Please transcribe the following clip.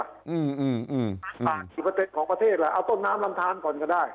อืมอ่าสิบเปอร์เซ็นต์ของประเทศล่ะเอาต้นน้ำลำทานก่อนก็ได้